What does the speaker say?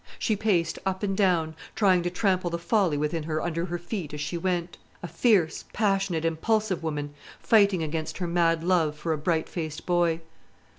She paced up and down, trying to trample the folly within her under her feet as she went; a fierce, passionate, impulsive woman, fighting against her mad love for a bright faced boy.